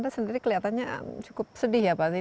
anda sendiri kelihatannya cukup sedih ya pak